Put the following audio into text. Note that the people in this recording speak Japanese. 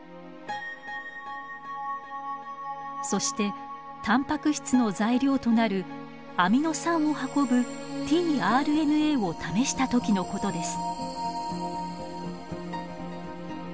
そしてタンパク質の材料となるアミノ酸を運ぶｔＲＮＡを試した時のことです。